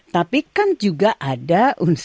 tapi kan juga ada